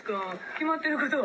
決まってることは？」。